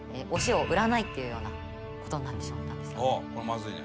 これはまずいね。